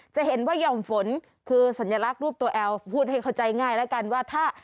จะเห็นว่าหย่อมฝนคือสัญลักษณ์รูปตัวแอลพูดให้เข้าใจง่ายแล้วกันว่าถ้า